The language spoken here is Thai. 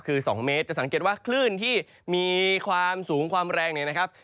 คือ๒เมตรจะสังเกตว่าคลื่นที่มีความสูงความแรงเนี่ยนะครับ